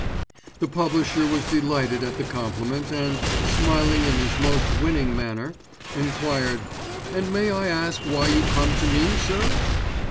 The publisher was delighted at the compliment and, smiling in his most winning manner, enquired, "And may I ask why you come to me, sir?"